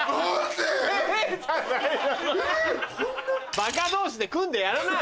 バカ同士で組んでやらない！